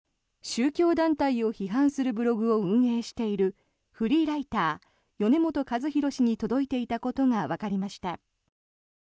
宗教団体を批判するブログを運営しているフリーライター、米本和広氏に届いていたことがわかりました。